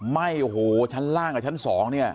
ไหม้โอ้โหชั้นล่างกับชั้น๒เนี่ย